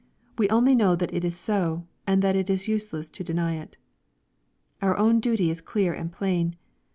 We only know that it is so, and that it is useless to deny it. Our own duty is clear and plain.